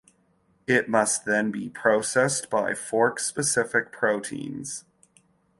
It must then be processed by fork-specific proteins.